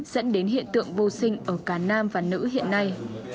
dẫn đến hiện tượng vô sinh ở cả nam và nữ hiện nay